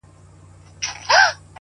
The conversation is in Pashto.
دا چي د سونډو د خـندا لـه دره ولـويــږي،